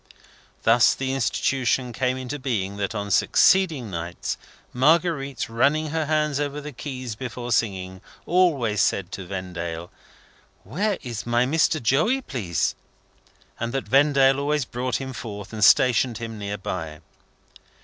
Thus the Institution came into being that on succeeding nights, Marguerite, running her hands over the keys before singing, always said to Vendale, "Where is my Mr. Joey, please?" and that Vendale always brought him forth, and stationed him near by.